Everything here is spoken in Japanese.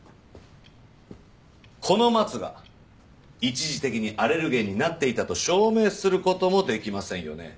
このマツが一時的にアレルゲンになっていたと証明する事もできませんよね？